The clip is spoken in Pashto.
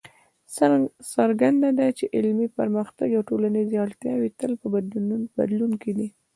څرګنده ده چې علمي پرمختګ او ټولنیزې اړتیاوې تل په بدلون کې دي.